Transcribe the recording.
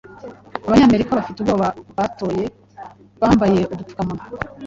"Abanyamerika bafite ubwoba batoye bambaye udupfukamunwa,